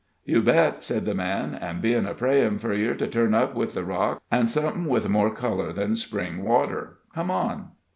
"You bet," said the man. "All ben a prayin' for yer to turn up with the rocks, an' somethin' with more color than spring water. Come on."